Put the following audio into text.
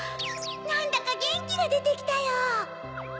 なんだかゲンキがでてきたよ！